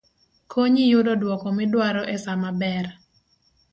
konyi yudo dwoko midwaro e sa maber